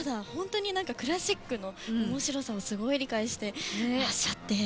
クラシックのおもしろさをすごく理解していらっしゃって。